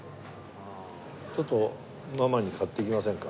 ちょっとママに買っていきませんか？